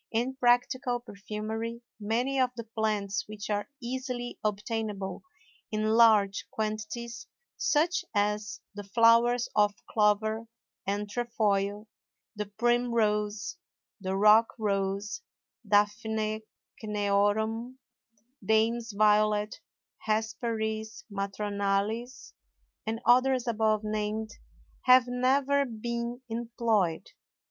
In practical perfumery many of the plants which are easily obtainable in large quantities, such as the flowers of clover and trefoil, the primrose, the rock rose (Daphne Cneorum), dame's violet (Hesperis matronalis), and others above named, have never been employed.